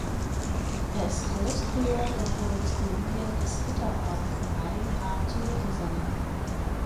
Er ist Großprior der Provinz Kolumbien des Ritterorden vom Heiligen Grab zu Jerusalem.